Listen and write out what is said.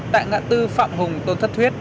tại ngã tư phạm hùng tôn thất thuyết